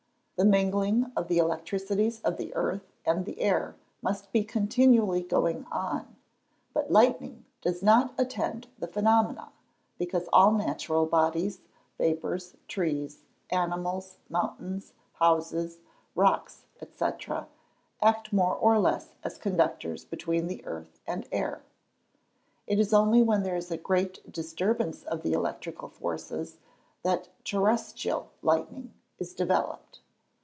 The mingling of the electricities of the earth and the air must be continually going on. But lightning does not attend the phenomena, because all natural bodies, vapours, trees, animals, mountains, houses, rocks, &c., &c., act more or less as conductors between the earth and the air. It is only when there is a great disturbance of the electrical forces, that terrestrial lightning is developed.